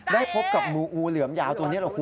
ได้พบกับหมูงูเหลื่อมยาวตัวนี้นะคุณ